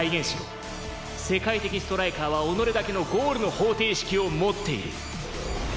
世界的ストライカーは己だけのゴールの方程式を持っている。